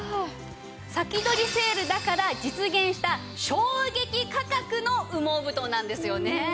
先取りセールだから実現した衝撃価格の羽毛布団なんですよね。